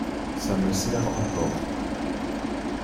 Ca me serre encore…